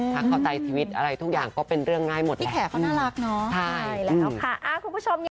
ถ้าเข้าใจชีวิตอะไรทุกอย่างก็เป็นเรื่องง่ายหมดพี่แขกเขาน่ารักเนาะ